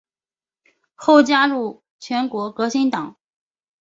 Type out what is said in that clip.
后加入全国革新党。